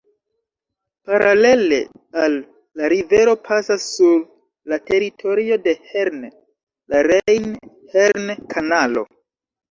Paralele al la rivero pasas sur la teritorio de Herne la Rejn-Herne-Kanalo.